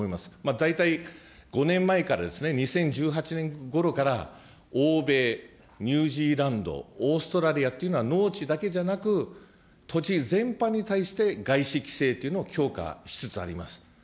大体、５年前からですね、２０１８年ごろから、欧米、ニュージーランド、オーストラリアっていうのは農地だけじゃなく、土地全般に対して外資規制というのを強化しつつあります。